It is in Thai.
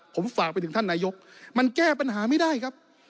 ผมฝากไปถึงท่านนายกมันแก้ปัญหาไม่ได้ครับ